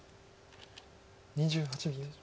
２８秒。